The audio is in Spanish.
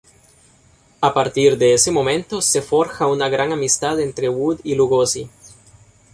A partir de ese momento, se forja una gran amistad entre Wood y Lugosi.